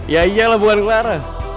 ya iyalah bukan clara